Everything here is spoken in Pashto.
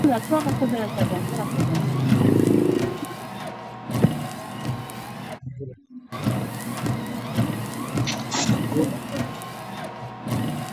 هوښیار انسان خپل احساسات نه پټوي، بلکې سم مدیریت یې کوي.